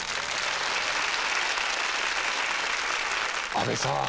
阿部さん